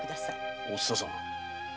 お蔦さん。